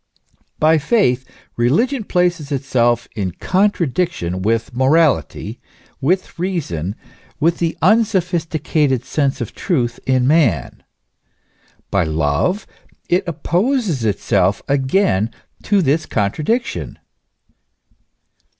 By faith religion places itself in contradiction with morality, with reason, with the unsophisticated sense of truth in man ; by love, it opposes itself again to this contradiction.